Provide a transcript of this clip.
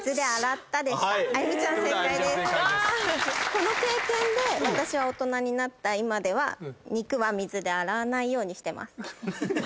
この経験で私は大人になった今では肉は水で洗わないようにしてます。